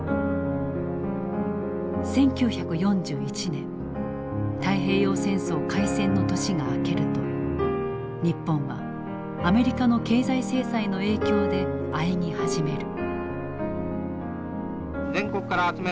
１９４１年太平洋戦争開戦の年が明けると日本はアメリカの経済制裁の影響であえぎ始める。